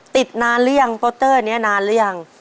ติดนานหรือยังโปเตอร์นี้นานหรือยัง